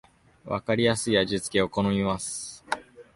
わかりやすい味付けを好みます